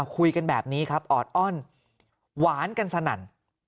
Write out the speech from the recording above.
คุยกันแบบนี้ครับออดอ้อนหวานกันสนั่น